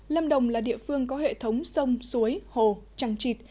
lâm đồng là địa phương có hệ thống sông suối hồ trăng trịt